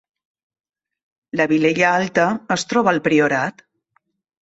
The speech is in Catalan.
La Vilella Alta es troba al Priorat